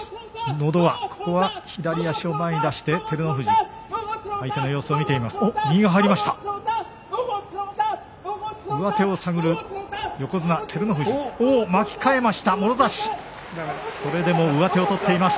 のど輪、ここは左足を前に出して、照ノ富士、相手の様子を見ています。